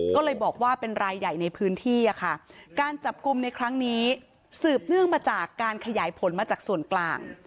ก็เลยบอกว่าเป็นรายใหญ่ในพื้นที่ค่ะการจับกลุ่มในครั้งนี้สืบเนื่องมาจากการขยายผลมาจากส่วนกลาง